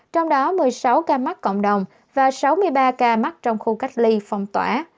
trong đó một mươi sáu ca mắc cộng đồng và sáu mươi ba ca mắc trong khu cách ly phong tỏa